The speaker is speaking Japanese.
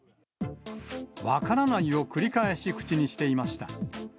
分からないを繰り返し口にしていました。